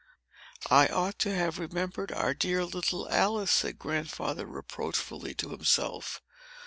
"I ought to have remembered our dear little Alice," said Grandfather reproachfully to himself.